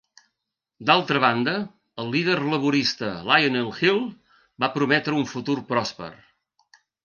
D'altra banda, el líder laborista, Lionel Hill, va prometre un futur pròsper.